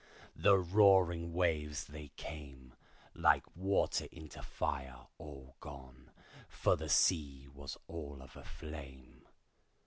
The roaring waves they came, Like water into fire all gone, For the sea was all of a flame.